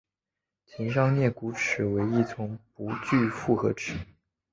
前上颌骨齿为一丛不具复合齿。